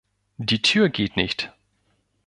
Die Tür geht nicht.